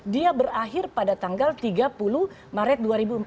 dia berakhir pada tanggal tiga puluh maret dua ribu empat belas